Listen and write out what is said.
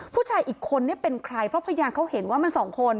ผู้ชายอีกคนเนี่ยเป็นใครเพราะพยานเขาเห็นว่ามันสองคน